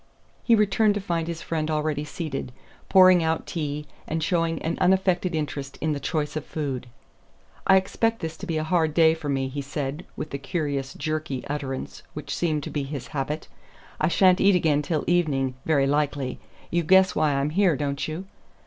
He returned to find his friend already seated, pouring out tea, and showing an unaffected interest in the choice of food. "I expect this to be a hard day for me," he said, with the curious jerky utterance which seemed to be his habit. "I sha'n't eat again till the evening, very likely. You guess why I'm here, don't you?"